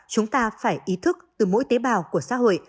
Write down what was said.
chúng ta phải ý thức từ mỗi tế bào của xã hội